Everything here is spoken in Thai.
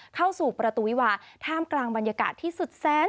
เข้าสู่ประตูวิวาท่ามกลางบรรยากาศที่สุดแซน